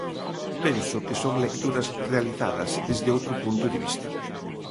Penso que son lecturas realizadas desde outro punto de vista.